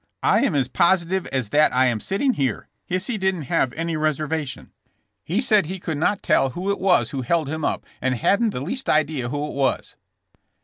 "I am as positive as that I am sitting here. Hisey didn't have any reservation. He said he could 172 JKSSK JAMES. not tell who it was who held him up and hadn't the least idea who it was.''